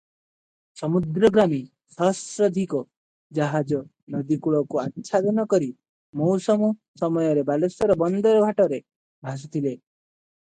ସମୁଦ୍ରଗାମୀ ସହସ୍ରାଧିକ ଜାହାଜ ନଦୀ ଜଳକୁ ଆଚ୍ଛାଦନ କରି ମଉସମ ସମୟରେ ବାଲେଶ୍ୱର ବନ୍ଦର ଘାଟରେ ଭାସୁଥିଲେ ।